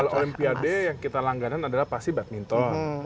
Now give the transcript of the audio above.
kalau olimpiade yang kita langganan adalah pasti badminton